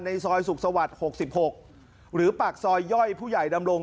ซอยสุขสวรรค์๖๖หรือปากซอยย่อยผู้ใหญ่ดำรง